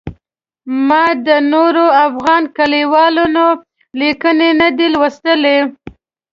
ما د نورو افغان لیکوالانو لیکنې نه دي لوستلي.